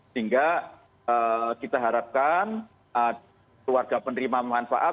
sehingga kita harapkan keluarga penerima manfaat